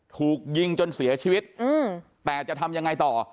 ถูกยิงจนเสียชีวิตแต่จะทำยังไงต่อ